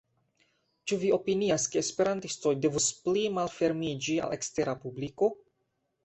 Ĉu vi opinias ke esperantistoj devus pli malfermiĝi al ekstera publiko?